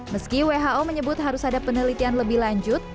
meski who menyebut harus ada penelitian lebih lanjut